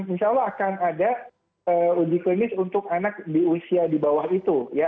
insya allah akan ada uji klinis untuk anak di usia di bawah itu ya